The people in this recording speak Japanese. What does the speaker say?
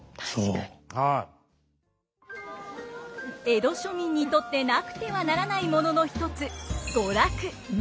江戸庶民にとってなくてはならないものの一つ娯楽。